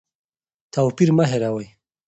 توپیر مه هېروئ.